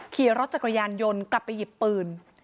เขี่ยรสจากกระยานโยนกลับไปหยิบปืน